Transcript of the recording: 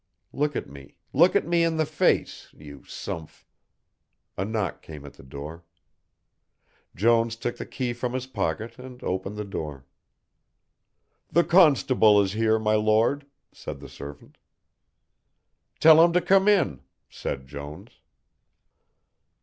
Look at me, look at me in the face, you sumph " A knock came to the door. Jones took the key from his pocket and opened the door. "The constable is here, my Lord," said the servant. "Tell him to come in," said Jones.